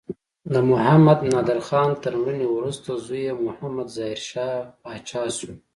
د محمد نادر خان تر مړینې وروسته زوی یې محمد ظاهر پاچا شو.